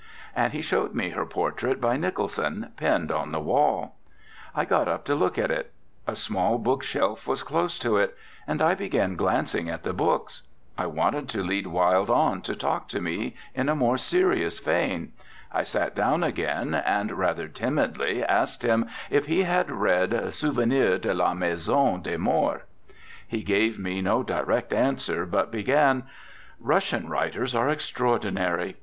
And he showed me her portrait by Nicholson, pinned on the wall. I got up to look at it. A small bookshelf was close to it, and I began glancing at the books. I wanted to lead Wilde on to talk to me in a more serious vein. I sat down again, and rather timidly asked him if he had read Souvenirs de la Maison des Morts. He gave me no direct answer, but began: 'Russian writers are extraordinary.